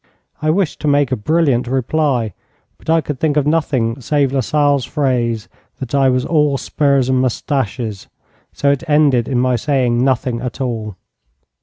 I wished to make a brilliant reply, but I could think of nothing save Lasalle's phrase that I was all spurs and moustaches, so it ended in my saying nothing at all.